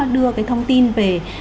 đưa cái thông tin về